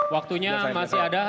waktunya masih ada